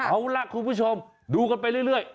เอาล่ะคุณผู้ชมดูกันไปเรื่อย